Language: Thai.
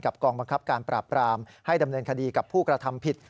กองบังคับการปราบปรามให้ดำเนินคดีกับผู้กระทำผิด